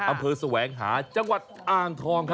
อำเภอแสวงหาจังหวัดอ้างทอง